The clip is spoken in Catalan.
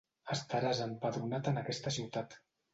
Estaràs empadronat en aquesta ciutat.